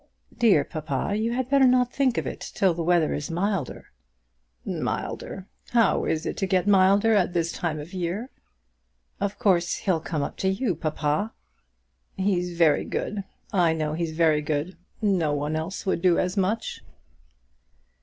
"Dear papa, you had better not think of it till the weather is milder." "Milder! how is it to get milder at this time of the year?" "Of course he'll come up to you, papa." "He's very good. I know he's very good. No one else would do as much."